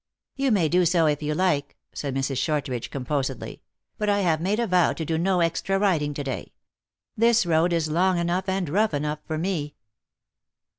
" You may do so, if you like," said Mrs. Shortridge, composedly ;" but I have made a vow to do no extra riding to day. This road is long enough and rough enough for me."